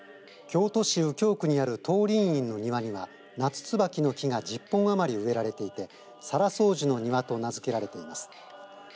京都市右京区にある東林院の庭にはナツツバキの木が１０本余り植えられていて沙羅双樹の庭と名付けられています。